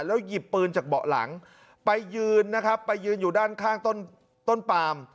หยิบปืนจากเบาะหลังไปยืนนะครับไปยืนอยู่ด้านข้างต้นปาม